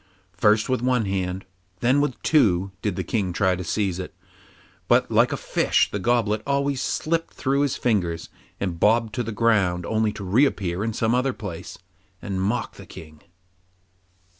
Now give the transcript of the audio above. First with one hand, and then with two, did the King try to seize it, but like a fish the goblet always slipped through his fingers and bobbed to the ground only to reappear at some other place, and mock the King.